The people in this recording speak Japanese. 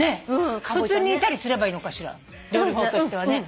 普通に煮たりすればいいの？料理法としては。